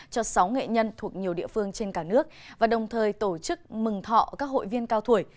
cho sáu nghệ nhân thuộc nhiều địa phương trên cả nước và đồng thời tổ chức mừng thọ các hội viên cao tuổi